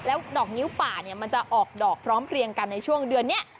ดอกนิ้วป่าเนี่ยมันจะออกดอกพร้อมเพลียงกันในช่วงเดือนนี้